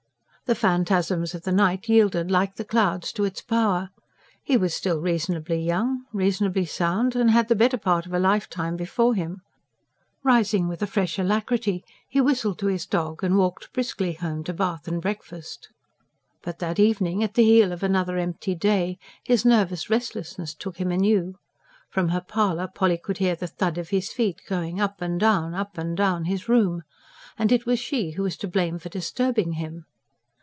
The phantasms of the night yielded like the clouds to its power. He was still reasonably young, reasonably sound, and had the better part of a lifetime before him. Rising with a fresh alacrity, he whistled to his dog, and walked briskly home to bath and breakfast. But that evening, at the heel of another empty day, his nervous restlessness took him anew. From her parlour Polly could hear the thud of his feet, going up and down, up and down his room. And it was she who was to blame for disturbing him!